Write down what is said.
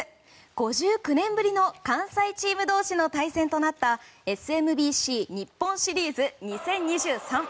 ５９年ぶりの関西チーム同士の対戦となったＳＭＢＣ日本シリーズ２０２３。